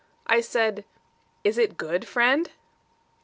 I said, "Is it good, friend?"